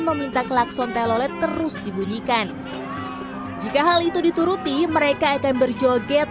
meminta klakson telolet terus dibunyikan jika hal itu dituruti mereka akan berjoget